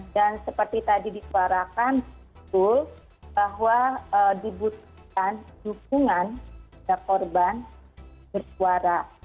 dan seperti tadi disuarakan bahwa dibutuhkan dukungan dari korban bersuara